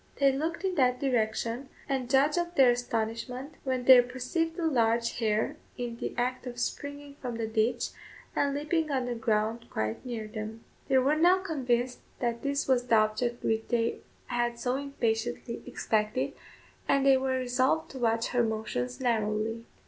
They looked in that direction, and judge of their astonishment, when they perceived a large hare in the act of springing from the ditch, and leaping on the ground quite near them. They were now convinced that this was the object which they had so impatiently expected, and they were resolved to watch her motions narrowly.